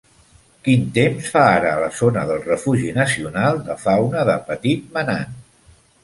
Quin temps fa ara a la zona del refugi nacional de fauna de Petit Manan?